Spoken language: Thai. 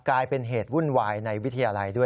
กลายเป็นเหตุวุ่นวายในวิทยาลัยด้วย